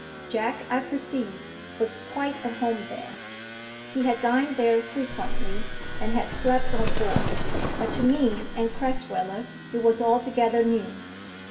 Jack, I perceived, was quite at home there. He had dined there frequently, and had slept on board; but to me and Crasweller it was altogether new.